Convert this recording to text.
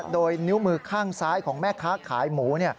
โดยนิ้วมือข้างซ้ายของแม่ค้าขายหมู